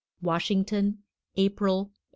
WASHINGTON, April, 1889.